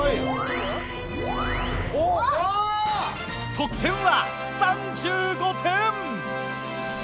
得点は３５点！